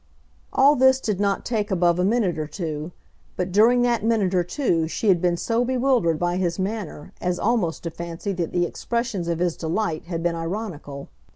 All this did not take above a minute or two, but during that minute or two she had been so bewildered by his manner as almost to fancy that the expressions of his delight had been ironical.